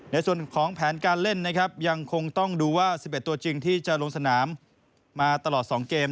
ในส่วนของแผนการเล่นนะครับยังคงต้องดูว่า๑๑ตัวจริงที่จะลงสนามมาตลอด๒เกม